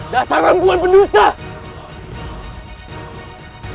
dasar wanita penuh setahan